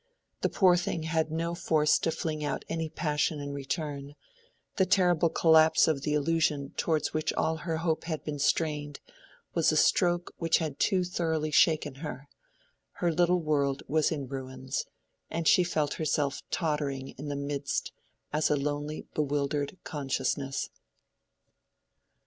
The poor thing had no force to fling out any passion in return; the terrible collapse of the illusion towards which all her hope had been strained was a stroke which had too thoroughly shaken her: her little world was in ruins, and she felt herself tottering in the midst as a lonely bewildered consciousness.